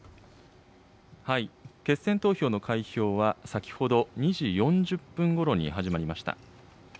決選投票の開票は、先ほど２時４０分ごろに始まりました。